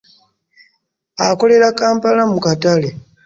Akolera Kampala mu katale.